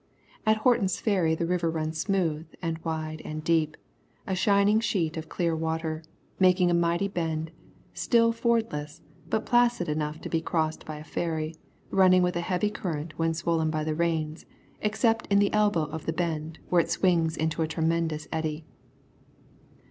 At Horton's Ferry the river runs smooth and wide and deep, a shining sheet of clear water, making a mighty bend, still ford less, but placid enough to be crossed by a ferry, running with a heavy current when swollen by the rains, except in the elbow of the bend where it swings into a tremendous eddy.